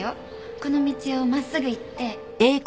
この道を真っすぐ行って。